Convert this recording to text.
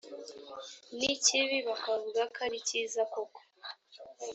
n ikibi bakavuga ko ari cyiza koko